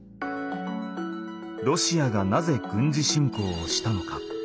ロシアがなぜ軍事侵攻をしたのか？